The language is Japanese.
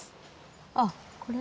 あっこれ？